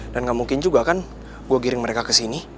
dan gak mungkin juga kan gue giring mereka kesini